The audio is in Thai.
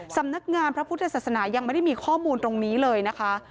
สำนักงานพระพุทธศาสนายังไม่ได้มีข้อมูลตรงนี้เลยนะคะ